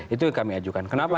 itu yang kami ajukan kenapa